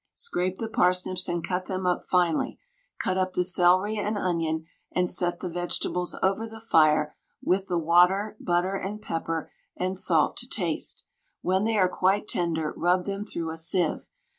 Scrape the parsnips and cut them up finely, cut up the celery and onion, and set the vegetables over the fire with the water, butter, and pepper and salt to taste: when they are quite tender rub them through a sieve.